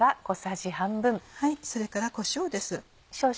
それからこしょうです。